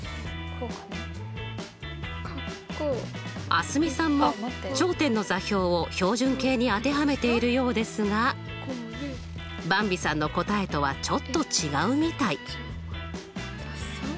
蒼澄さんも頂点の座標を標準形に当てはめているようですがばんびさんの答えとはちょっと違うみたい。